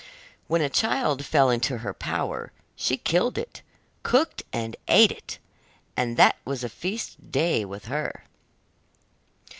When a child fell into her power, she killed it, cooked and ate it, and that was a feast day with her.